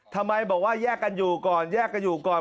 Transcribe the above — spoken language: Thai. ทำไมบอกว่าแยกกันอยู่ก่อนแยกกันอยู่ก่อน